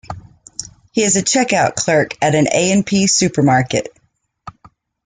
He is a checkout clerk at an A and P supermarket.